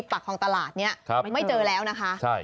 ที่ปักษ์ของตลาดเนี้ยครับไม่เจอแล้วนะคะใช่